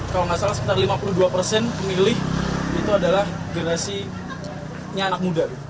kalau nggak salah sekitar lima puluh dua persen pemilih itu adalah generasinya anak muda